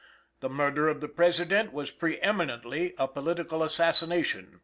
"The murder of the President was preëminently a political assassination.